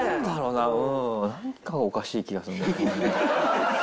なんかおかしい気がする。